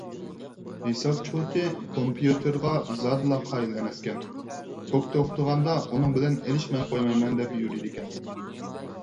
ھېساب چوتى كومپيۇتېرغا زادىلا قايىل ئەمەسكەن، توك توختىغاندا ئۇنىڭ بىلەن ئېلىشماي قويمايمەن دەپ يۈرىدىكەن.